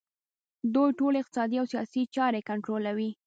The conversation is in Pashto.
دوی ټولې اقتصادي او سیاسي چارې کنټرولوي